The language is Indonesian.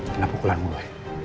pernah pukulan gue